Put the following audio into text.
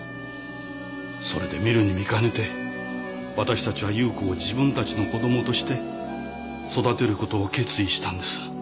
それで見るに見かねてわたしたちは夕子を自分たちの子供として育てることを決意したんです。